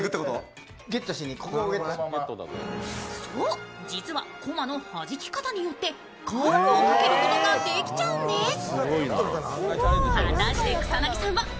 そう、実は駒の弾き方によって、カーブをかけることができちゃうんです。